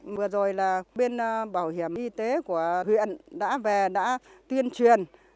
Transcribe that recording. vừa rồi là bên bảo hiểm y tế của huyện đã về đã tuyên truyền